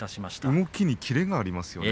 動きにキレがありますよね。